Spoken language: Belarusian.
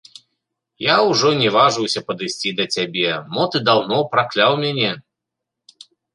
Я ўжо не важыўся падысці да цябе, мо ты даўно пракляў мяне?